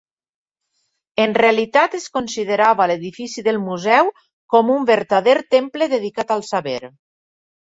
En realitat es considerava l'edifici del Museu com un vertader temple dedicat al Saber.